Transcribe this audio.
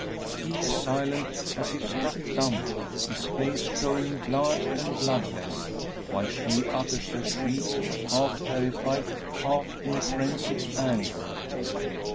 He is silent, as if struck dumb, his face showing blanched and bloodless; while she utters a shriek, half terrified, half in frenzied anger!